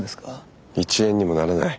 一円にもならない。